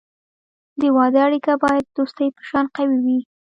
د واده اړیکه باید د دوستی په شان قوي وي.